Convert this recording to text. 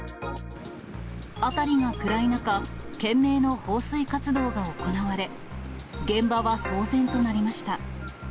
辺りが暗い中、懸命の放水活動が行われ、現場は騒然となりました。